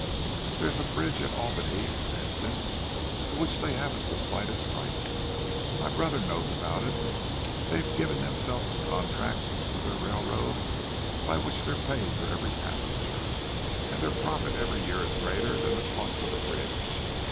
There's a bridge at Albany, for instance, to which they haven't the slightest right; my brother knows about it—they've given themselves a contract with their railroad by which they're paid for every passenger, and their profit every year is greater than the cost of the bridge.